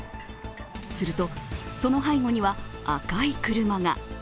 すると、その背後には赤い車が。